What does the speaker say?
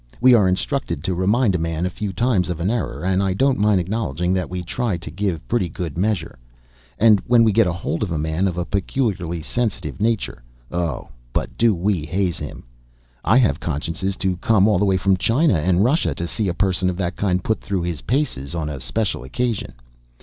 We are instructed to remind a man a few times of an error; and I don't mind acknowledging that we try to give pretty good measure. And when we get hold of a man of a peculiarly sensitive nature, oh, but we do haze him! I have consciences to come all the way from China and Russia to see a person of that kind put through his paces, on a special occasion.